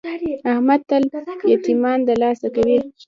احمد تل یتمیان دلاسه کوي.